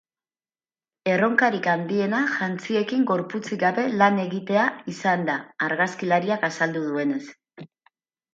Erronkarik handiena jantziekin gorputzik gabe lan egitea izan da, argazkilariak azaldu duenez.